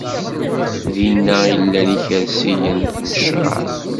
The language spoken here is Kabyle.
Dinna i llan ikersiyen n ccreɛ.